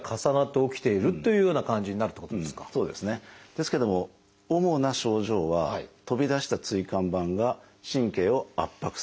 ですけども主な症状は飛び出した椎間板が神経を圧迫する。